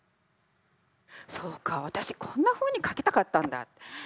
そうか私こんなふうに書きたかったんだ。